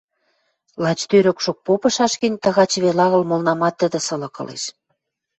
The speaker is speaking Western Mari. Лач тӧрӧкшок попышаш гӹнь, тагачы веле агыл, молнамат тӹдӹ сылык ылеш.